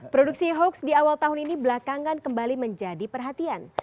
produksi hoax di awal tahun ini belakangan kembali menjadi perhatian